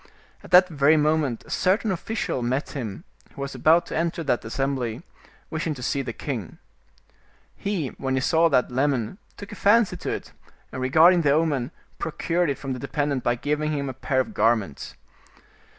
At that very moment a certain official met him, who was about to enter that assembly, wishing to see the king. He, when he saw that lemon, took a fancy to it, and regarding the omen, procured it from the dependent by giving him a pair of garments.